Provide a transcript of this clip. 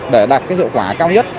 để đạt hiệu quả cao nhất